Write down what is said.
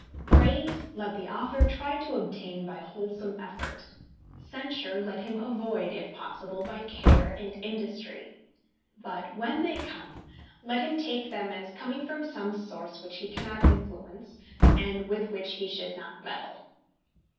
Praise let the author try to obtain by wholesome effort; censure let him avoid, if possible, by care and industry. But when they come, let him take them as coming from some source which he cannot influence, and with which he should not meddle.